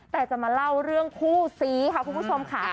แต่จะมาเล่าเรื่องคู่ซีค่ะคุณผู้ชมค่ะ